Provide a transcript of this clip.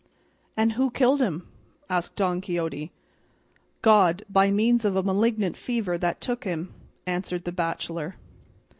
"And who killed him?" asked Don Quixote. "God, by means of a malignant fever that took him," answered the bachelor.